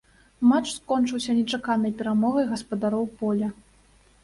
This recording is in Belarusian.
Матч скончыўся нечаканай перамогай гаспадароў поля.